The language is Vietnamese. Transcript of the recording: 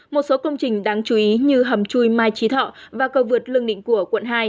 một số công trình đáng chú ý như hầm chui mai trí thọ và cầu vượt lương định của quận hai